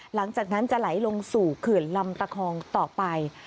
หลังจากนั้นจะไหลลงสู่เขื่อนลำตะคองต่อไป